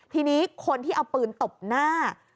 ทีนี้คนที่เอาปืนตบหน้า